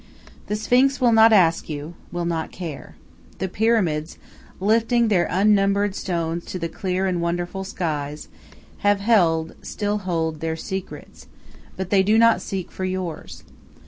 The Sphinx will not ask you, will not care. The Pyramids, lifting their unnumbered stones to the clear and wonderful skies, have held, still hold, their secrets; but they do not seek for yours.